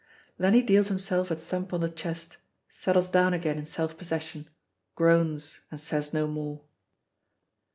Then he deals himself a thump on the chest, settles down again in self possession, groans, and says no more.